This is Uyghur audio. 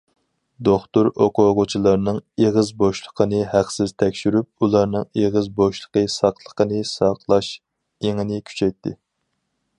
دوختۇر ئوقۇغۇچىلارنىڭ ئېغىز بوشلۇقىنى ھەقسىز تەكشۈرۈپ، ئۇلارنىڭ ئېغىز بوشلۇقى ساقلىقىنى ساقلاش ئېڭىنى كۈچەيتتى.